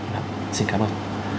vâng xin cảm ơn